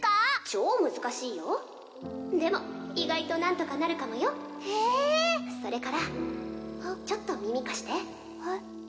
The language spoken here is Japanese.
超難しいよでも意外と何とかなるかもよええそれからちょっと耳貸してえっ？